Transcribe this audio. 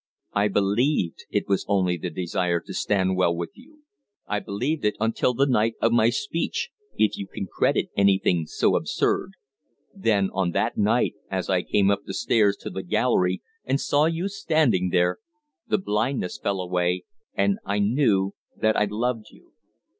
"I believed it was only the desire to stand well with you; I believed it until the night of my speech if you can credit anything so absurd then on that night, as I came up the stairs to the gallery and saw you standing there, the blindness fell away and I knew that I loved you."